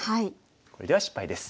これでは失敗です。